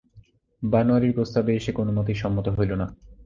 বনোয়ারির প্রস্তাবে সে কোনোমতেই সম্মত হইল না।